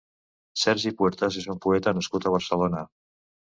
Sergi Puertas és un poeta nascut a Barcelona.